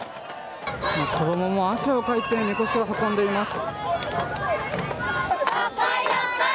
子供も汗をかいてみこしを運んでいます。